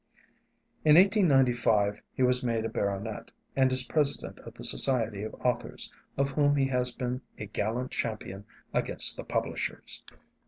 In 1895 he was made a baronet, and is president of the Society of Authors, of whom he has been a gallant champion against the publishers.